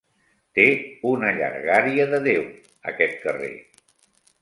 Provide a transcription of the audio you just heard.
Té una llargària de Déu, aquest carrer.